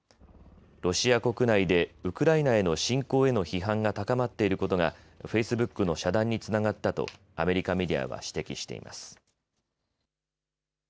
ロシア国内でウクライナへの侵攻への批判が高まっていることがフェイスブックの遮断につながったとアメリカメディアは指摘しています。